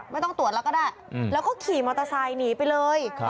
ไม่ต้องตรวจแล้วก็ได้แล้วก็ขี่มอเตอร์ไซค์หนีไปเลย